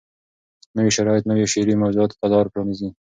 نوي شرایط نویو شعري موضوعاتو ته لار پرانیزي.